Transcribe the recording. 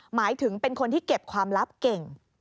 หมายถึงเป็นคนที่เก็บความลับเก่ง